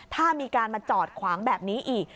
ถ้ามีการมาจอดขวางแบบนี้อีก